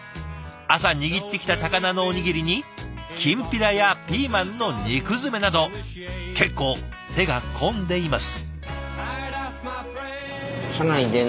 朝握ってきた高菜のおにぎりにきんぴらやピーマンの肉詰めなど結構手が込んでいます。